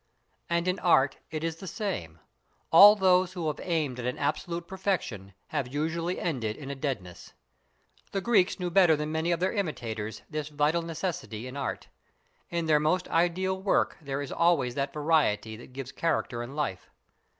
And in art it is the same; all those who have aimed at an absolute perfection have usually ended in a deadness. The Greeks knew better than many of their imitators this vital necessity in art. In their most ideal work there is always that variety that gives character and life.